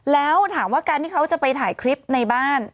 แล้วถามว่าการที่เขาจะไปถ่ายคลิปในบ้าน